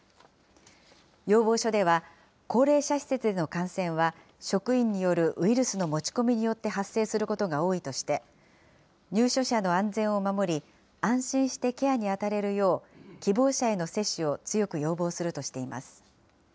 要望書では、高齢者施設での感染は、職員によるウイルスの持ち込みによって発生することが多いとして、入所者の安全を守り、安心してケアに当たれるよう、希望者への接種を強く要望するとしています。